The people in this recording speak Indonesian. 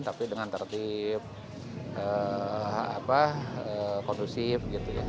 tapi dengan tertib kondusif